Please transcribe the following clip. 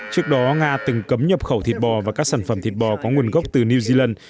trước đó nga từng cấm nhập khẩu thịt bò và các sản phẩm thịt bò có nguồn gốc từ new zealand